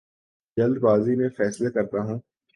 جلد بازی میں فیصلے کرتا ہوں